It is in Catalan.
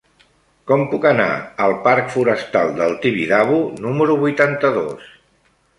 Com puc anar al parc Forestal del Tibidabo número vuitanta-dos?